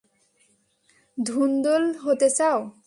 ধুন্দুল হতে চাও?